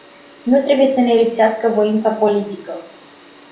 Nu trebuie să ne lipsească voința politică.